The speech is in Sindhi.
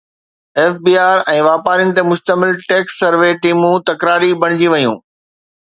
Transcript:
ايف بي آر ۽ واپارين تي مشتمل ٽيڪس سروي ٽيمون تڪراري بڻجي ويون